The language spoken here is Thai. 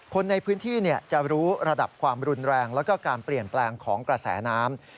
คนในพื้นที่จะรู้ระดับความรุนแรงแล้วก็การเปลี่ยนแปลงของกระแสน้ำ